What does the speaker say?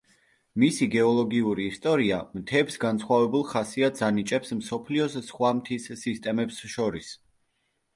მისი გეოლოგიური ისტორია, მთებს განსხვავებულ ხასიათს ანიჭებს მსოფლიოს სხვა მთის სისტემებს შორის.